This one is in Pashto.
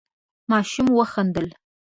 ماشوم وخندل.